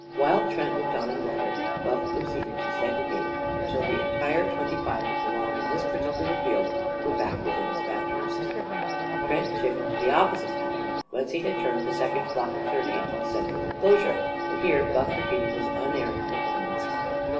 While Trent looked on in wonder, Buff proceeded to segregate, until the entire twenty five that belonged in this particular field were back within its boundaries. Trent shifted to the opposite paddock, whence he had turned the second flock of thirty into the central enclosure. And here Buff repeated his unerring performance.